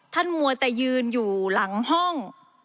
มัวแต่ยืนอยู่หลังห้อง